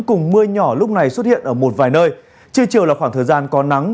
cùng mưa nhỏ lúc này xuất hiện ở một vài nơi trưa chiều là khoảng thời gian có nắng